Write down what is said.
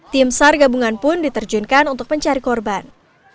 tim sar gabungan pun diterjunkan untuk mencari korban